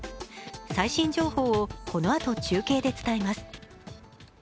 最新情報をこのあと、中継で伝えます。